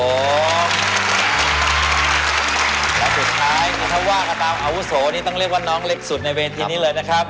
แล้วสุดท้ายถ้าว่ากันตามอาวุโสนี่ต้องเรียกว่าน้องเล็กสุดในเวทีนี้เลยนะครับ